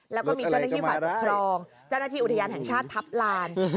แล้วก็มีเจ้าหน้าที่ฝ่ายปกครองเจ้าหน้าที่อุทยานแห่งชาติทัพลาน